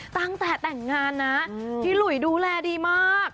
ตั้งแต่แต่งงานนะพี่หลุยดูแลดีมาก